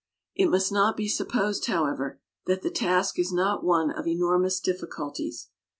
It must not be sup posed, however, that the task is not one of enormous difficulties.